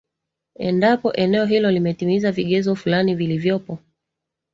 endapo eneo hilo limetiza vigezo fulani vilivyopo